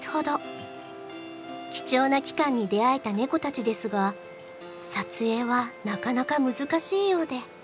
貴重な期間に出会えたネコたちですが撮影はなかなか難しいようで。